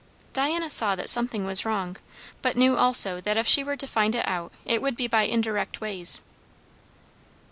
Diana saw that something was wrong, but knew also that if she were to find it out it would be by indirect ways.